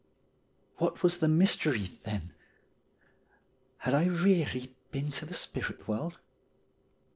What was the mystery, then? Had I really been to the spirit world